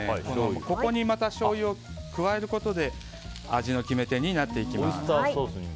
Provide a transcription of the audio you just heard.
ここにしょうゆを加えることで味の決め手になっていきます。